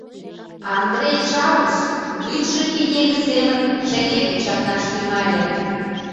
Андрей Чаус лӱдшӧ пинеге семын шеҥгеке чакнаш тӱҥале.